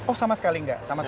oh sama sekali enggak